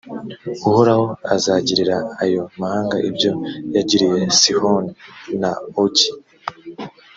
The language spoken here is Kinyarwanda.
uhoraho azagirira ayo mahanga ibyo yagiriye sihoni na ogi,